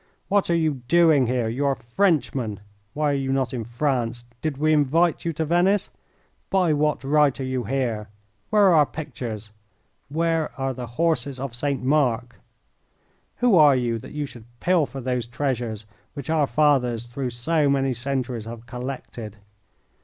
"What are you doing here? You are Frenchmen. Why are you not in France? Did we invite you to Venice? By what right are you here? Where are our pictures? Where are the horses of St. Mark? Who are you that you should pilfer those treasures which our fathers through so many centuries have collected?